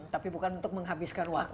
tapi bukan untuk menghabiskan waktu